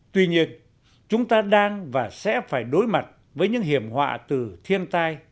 tuy nhiên chúng ta đang và sẽ phải đối mặt với những hiểm họa từ thiên tai